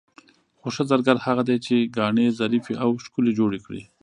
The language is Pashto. خو ښه زرګر هغه دی چې ګاڼې ظریفې او ښکلې جوړې کړي.